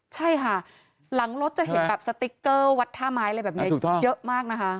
ใช่ค่ะหลังรถจะเห็นแบบสติ๊กเกอร์วัดท่าไม้อะไรแบบนี้เยอะมากนะคะ